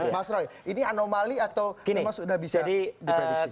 mas roy ini anomali atau memang sudah bisa diprediksi